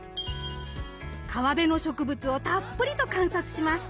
川辺の植物をたっぷりと観察します。